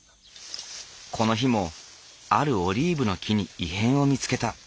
この日もあるオリーブの木に異変を見つけた。